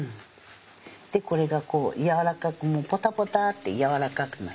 でこれがこうやわらかくポタポタってやわらかくなってる。